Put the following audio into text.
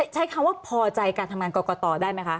ใช้คำว่าพอใจการทำงานกรกตได้ไหมคะ